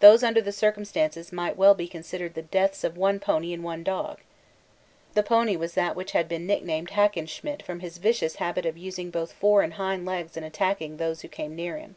These under the circumstances might well be considered the deaths of one pony and one dog. The pony was that which had been nicknamed Hackenschmidt from his vicious habit of using both fore and hind legs in attacking those who came near him.